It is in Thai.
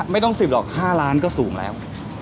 ไม่ต้อง๑๐หรอก๕ล้านก็สูงแล้ว